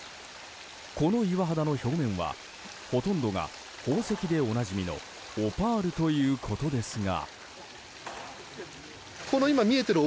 この岩肌の表面はほとんどが宝石でおなじみのオパールということですが。